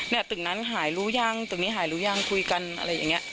ตึกนั้นหายรู้ยังตึกนี้หายรู้ยังคุยกันอะไรอย่างนี้